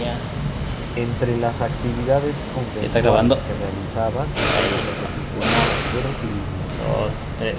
Entre las actividades conventuales que realizaba se encuentran los oficios de portero y limosnero.